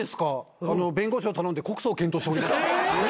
弁護士を頼んで告訴を検討しております。